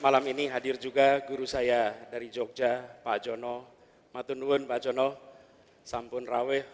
malam ini hadir juga guru saya dari jogja pak jono matunun pak jono sampun raweh